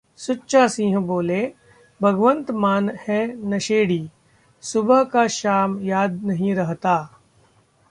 सुच्चा सिंह बोले- भगवंत मान है नशेड़ी, सुबह का शाम याद नहीं रखता